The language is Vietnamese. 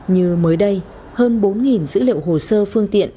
như mới đây hơn bốn dữ liệu hồ sơ phương tiện